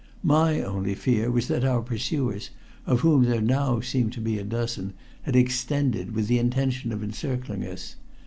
My only fear was that our pursuers, of whom there now seemed to be a dozen, had extended, with the intention of encircling us.